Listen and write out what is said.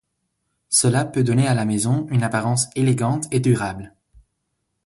Cela peut donner à la maison une apparence élégante et durable.